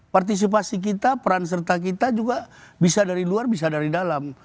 partisipasi kita peran serta kita juga bisa dari luar bisa dari dalam